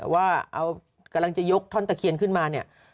ว่ากำลังจะยกท่อนตะเคียนขึ้นมา